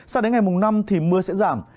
sau đến ngày mùng năm thì mưa sẽ giảm